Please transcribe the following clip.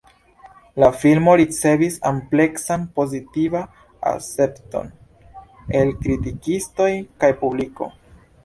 La filmo ricevis ampleksan pozitiva akcepton el kritikistoj kaj publiko.